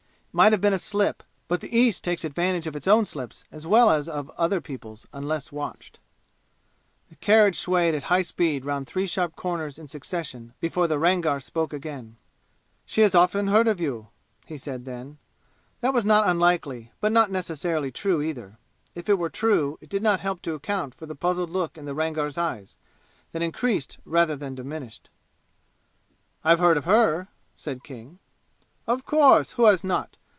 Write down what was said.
It might have been a slip, but the East takes advantage of its own slips as well as of other peoples' unless watched. The carriage swayed at high speed round three sharp corners in succession before the Rangar spoke again. "She has often heard of you," he said then. That was not unlikely, but not necessarily true either. If it were true, it did not help to account for the puzzled look in the Rangar's eyes, that increased rather than diminished. "I've heard of her," said King. "Of course! Who has not?